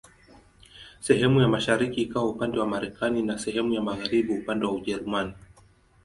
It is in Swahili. Sehemu ya mashariki ikawa upande wa Marekani na sehemu ya magharibi upande wa Ujerumani.